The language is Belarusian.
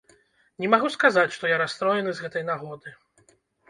Не магу сказаць, што я расстроены з гэтай нагоды.